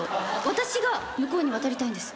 私が向こうに渡りたいんです。